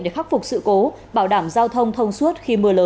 để khắc phục sự cố bảo đảm giao thông thông suốt khi mưa lớn